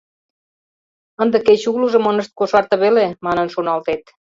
Ынде кеч улыжым ынышт кошарте веле, манын шоналтет.